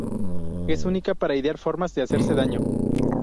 Es única para idear formas de hacerse daño.